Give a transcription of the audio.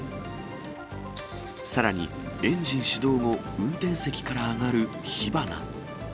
さらに、エンジン始動後、運転席から上がる火花。